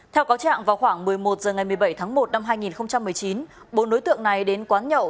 theo cáo trạng vào khoảng một mươi một h ngày một mươi bảy tháng một năm hai nghìn một mươi chín bốn đối tượng này đến quán nhậu